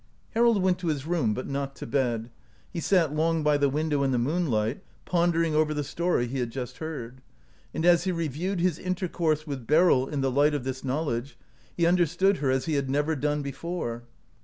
Harold went to his room, but not to bed. He sat long by the window in the moon light, pondering over the story he had just heard; and as he reviewed his intercourse with Beryl in the light of this knowledge, he understood her as he had never done before.